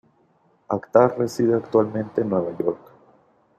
Akhtar reside actualmente en Nueva York.